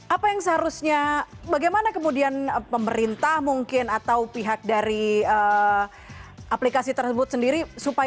apa yang seharusnya bagaimana kemudian pemerintah mungkin atau pihak dari aplikasi tersebut sendiri